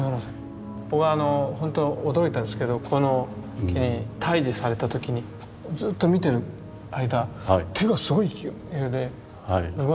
僕は本当に驚いたんですけどこの木に対峙された時にずっと見てる間手がすごい勢いで動いたじゃないですか。